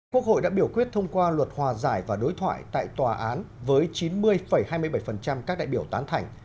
quốc hội đã biểu quyết thông qua luật hòa giải và đối thoại tại tòa án với chín mươi hai mươi bảy các đại biểu tán thành